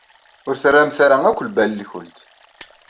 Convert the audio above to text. Ur terramt ara akk lbal-nkent.